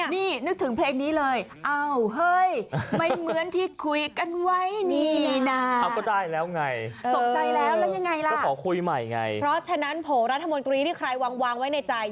นี่นึกถึงเพลงนี้เลย